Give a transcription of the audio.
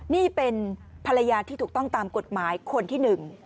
นี่เป็นภรรยาที่ถูกต้องตามกฎหมายคนที่หนึ่ง